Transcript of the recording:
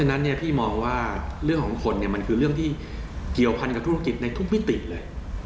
นั้นพี่มองว่าเรื่องของคนมันคือเรื่องที่เกี่ยวพันกับธุรกิจในทุกมิติเลย